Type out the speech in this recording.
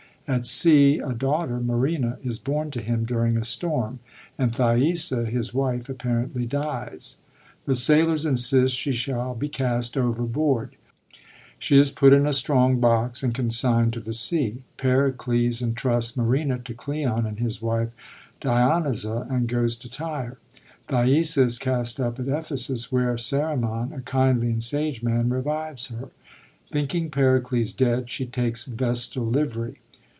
At sea a daught^Br, Marina, is bom to him during a storm ; and Thaisa, his wife, apparently dies. The sailors insist she shall be cast overboard; she is put in a strong box and consignd to the sea. Pericles entrusts Marina to Cleon and his wife Dionyza, and goes to Tyre. Thaisa is cast up at Ephesus, where Oerimon, a kindly and sage man, revives her. Thinking Pericles dead, she takes vestal livery.